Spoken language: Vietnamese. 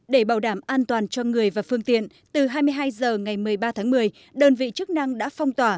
để bảo đảm an toàn cho người và phương tiện từ hai mươi hai h ngày một mươi ba tháng một mươi đơn vị chức năng đã phong tỏa